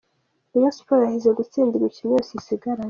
Rayon Sports yahize gutsinda imikino yose isigaranye.